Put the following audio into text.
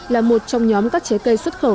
là một trong nhóm các trái cây xuất khẩu